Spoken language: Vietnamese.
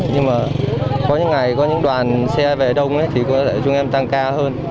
nhưng mà có những ngày có những đoàn xe về đông thì chúng em tăng ca hơn